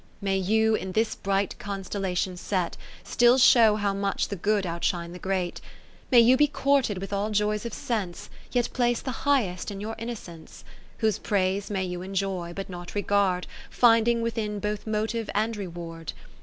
30 May you in this bright constella tion set, Still show how much the Good out shine the Great : May you be courted with all joys of sense, Yet place the highest in your inno cence ; Whose praise may you enjoy, but not regard. Finding within both motive and reward.